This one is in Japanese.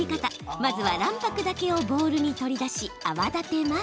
まずは卵白だけをボウルに取り出し、泡立てます。